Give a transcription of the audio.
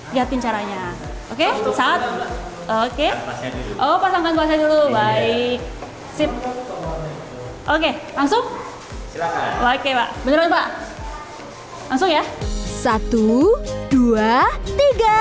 lihat caranya oke saat oke oh pasangkan dulu baik sip oke langsung oke pak langsung ya satu dua tiga